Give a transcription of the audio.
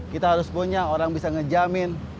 kita harus punya orang bisa ngejamin